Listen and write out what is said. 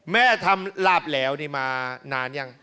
แม่ทำราบแหลวนี่มานานหรือยัง